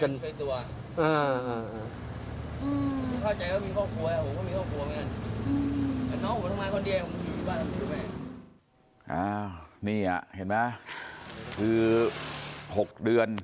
คือไม่ใช่บ้านผมที่เดียว